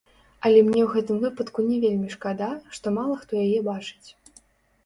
Але мне ў гэтым выпадку не вельмі шкада, што мала хто яе бачыць.